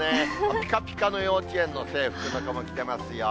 ぴかぴかの幼稚園の制服の子も来てますよ。